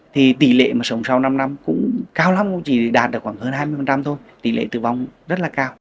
thì tỷ lệ mà sống sau năm năm cũng cao lắm cũng chỉ đạt được khoảng hơn hai mươi thôi tỷ lệ tử vong rất là cao